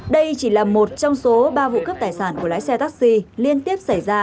đây chỉ là một trong số ba vụ cướp tài sản của lái xe taxi liên tiếp xảy ra